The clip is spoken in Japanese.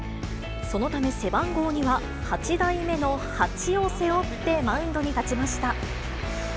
そのため背番号には八代目の８を背負ってマウンドに立ちました。